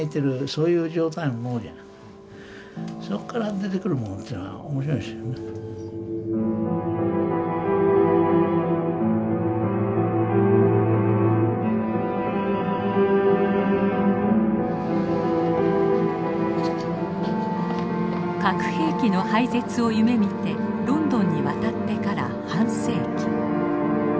ある意味で核兵器の廃絶を夢みてロンドンに渡ってから半世紀。